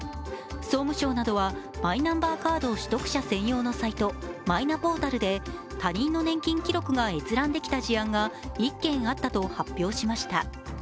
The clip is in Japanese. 総務省などはマイナンバーカード取得者専用のサイト、マイナポータルで他人の年金記録が閲覧できた事案が１件あったと発表しました。